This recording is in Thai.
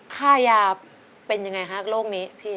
ค่ายาเป็นอย่างไรคะโลกนี้พี่